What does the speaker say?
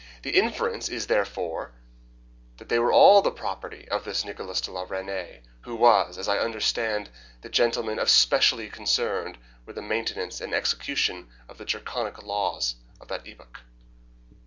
The inference is, therefore, that they were all the property of this Nicholas de la Reynie, who was, as I understand, the gentleman specially concerned with the maintenance and execution of the Draconic laws of that epoch."